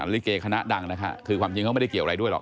ลิเกคณะดังนะคะคือความจริงเขาไม่ได้เกี่ยวอะไรด้วยหรอก